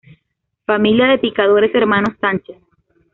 Familia de Picadores Hermanos Sánchez.